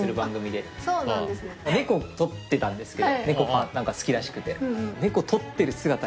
猫撮ってたんですけど猫好きらしくて。